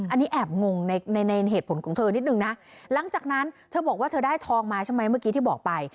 อันนี้แอบงงในในเหตุผลของเธอนิดนึงนะหลังจากนั้นเธอบอกว่าเธอได้ทองมาใช่ไหมเมื่อกี้ที่บอกไป